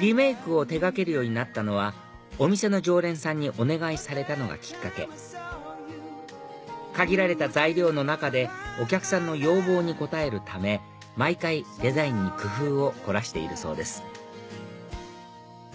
リメイクを手掛けるようになったのはお店の常連さんにお願いされたのがきっかけ限られた材料の中でお客さんの要望に応えるため毎回デザインに工夫を凝らしているそうです